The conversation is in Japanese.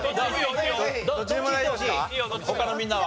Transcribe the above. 他のみんなは？